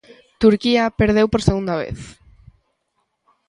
Turquía perdeu por segunda vez.